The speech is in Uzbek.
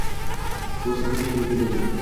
Bu sahna uslubi deyiladi